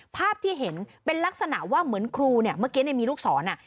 ภาพที่เห็นเป็นลักษณะว่าเหมือนครูเนี่ยเมื่อกี้มีลูกศร